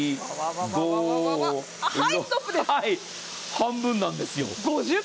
半分なんですよ。